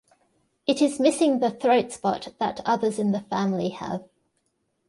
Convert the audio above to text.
It is missing the throat spot that others in the family have.